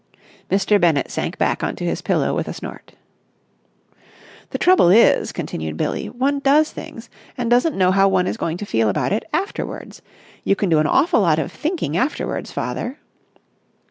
Mr. Bennett sank back on to his pillow with a snort. "The trouble is," continued Billie, "one does things and doesn't know how one is going to feel about it afterwards. You can do an awful lot of thinking afterwards, father."